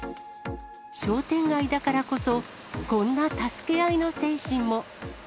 商店街だからこそ、こんな助け合いの精神も。